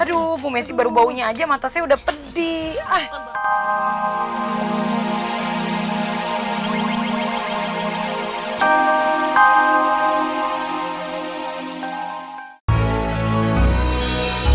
aduh bu messi baru baunya aja mata saya udah pedih